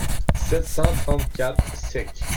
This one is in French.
sept cent trente-quatre seq.).